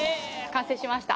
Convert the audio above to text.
完成しました。